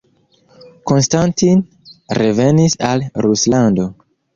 Konstantin revenis al Ruslando.